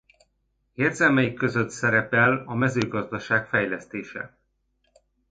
Érdemeik között szerepel a mezőgazdaság fejlesztése.